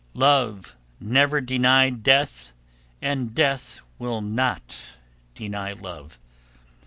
"Love never denied Death and Death will not deny Love."